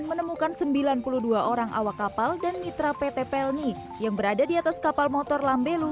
menemukan sembilan puluh dua orang awak kapal dan mitra pt pelni yang berada di atas kapal motor lambelu